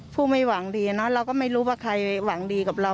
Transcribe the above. ผู้ไม่หวังดีนะเราก็ไม่รู้ว่าใครหวังดีกับเรา